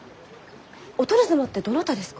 お殿様ってどなたですか？